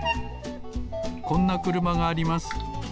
こんなくるまがあります。